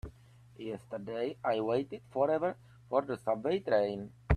Yesterday I waited forever for the subway train.